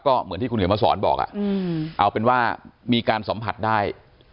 ก็เหมือนที่คุณเขียนมาสอนบอกเอาเป็นว่ามีการสัมผัสได้